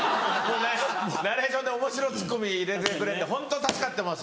ナレーションでおもしろツッコミ入れてくれるんでホント助かってます